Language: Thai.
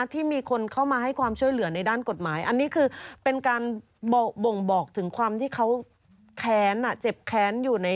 ที่มีคนเข้ามาให้ความช่วยเหลือในด้านกฎหมายอันนี้คือเป็นการบ่งบอกถึงความที่เขาแค้นเจ็บแค้นอยู่ใน